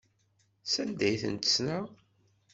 S anda i ten-ssneɣ.